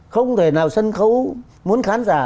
không thể nào sân khấu muốn khán giả